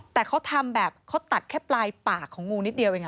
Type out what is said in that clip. แต่เขาทำแบบเขาตัดแค่ปลายปากของงูนิดเดียวเอง